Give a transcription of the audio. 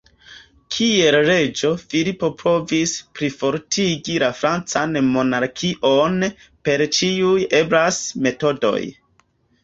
Kiel reĝo, Filipo provis plifortigi la francan monarkion per ĉiuj eblaj metodoj.